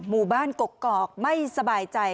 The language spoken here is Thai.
มุบันกกอกไม่สบายใจ